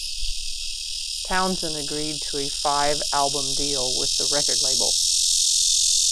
Townsend agreed to a five-album deal with the record label.